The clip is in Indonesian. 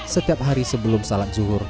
setiap hari sebelum salat zuhur